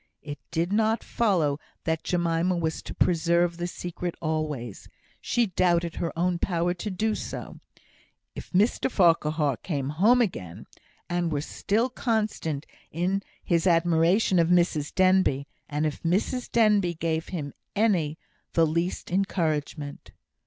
It did not follow that Jemima was to preserve the secret always; she doubted her own power to do so, if Mr Farquhar came home again, and were still constant in his admiration of Mrs Denbigh, and if Mrs Denbigh gave him any the least encouragement.